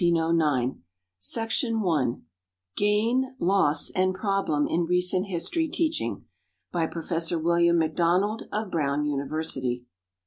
00 a year 15 cents a copy Gain, Loss, and Problem in Recent History Teaching BY PROFESSOR WILLIAM MACDONALD, OF BROWN UNIVERSITY.